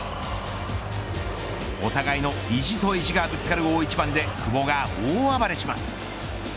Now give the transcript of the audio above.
お互いの意地と意地がぶつかる大一番で久保が大暴れします。